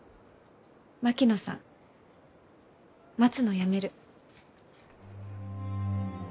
槙野さん待つのやめる。